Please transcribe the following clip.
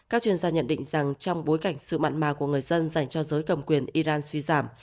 các chuyên gia nhận định rằng trong bối cảnh sự mặn mà của người dân dành cho giới cầm quyền iran suy giảm